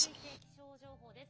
気象情報です。